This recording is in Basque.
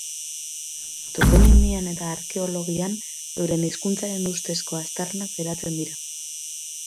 Toponimian eta arkeologian euren hizkuntzaren ustezko aztarnak geratzen dira.